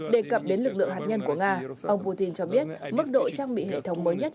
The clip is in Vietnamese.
đề cập đến lực lượng hạt nhân của nga ông putin cho biết mức độ trang bị hệ thống mới nhất